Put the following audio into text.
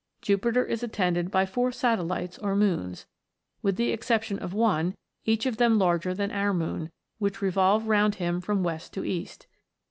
Jupiter is attended by four satellites or moons, with the exception of one, each of them larger than our moon, which revolve round him from west to east.